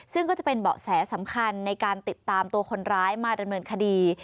ซึ่งก็จะเป็นเบาะแสสำคัญในการติดตามตัวคนร้ายมาดำเนินคดี